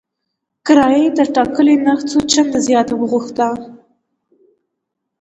کرایه یې تر ټاکلي نرخ څو چنده زیاته وغوښته.